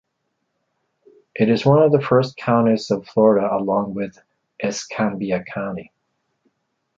It is one of the first counties of Florida along with Escambia County.